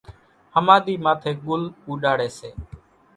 ۿماۮِي ماٿيَ ڳُل اُوڏاڙي سي